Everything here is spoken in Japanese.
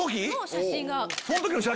写真が。